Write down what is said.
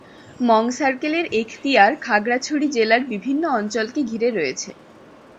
মং সার্কেলের এখতিয়ার খাগড়াছড়ি জেলার বিভিন্ন অঞ্চলকে ঘিরে রয়েছে।